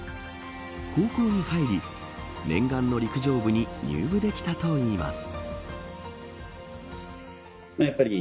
高校に入り念願の陸上部に入部できたといいます。